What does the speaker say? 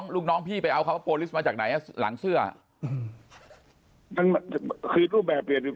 ลูกน้องพี่ไปเอาคำพอลิสมาจากไหนหลังเสื้อคือสูตร